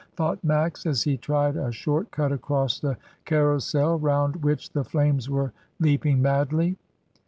thought Max, as he tried a short cut across the Carrousel, round which the 278 MRS. DYMOND. flames were leaping madly.